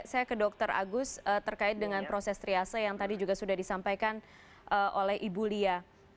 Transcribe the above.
saya ke dr agus terkait dengan proses triase yang tadi juga sudah disampaikan oleh ibu lia